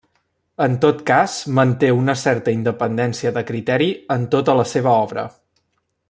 En tot cas manté una certa independència de criteri en tota la seva obra.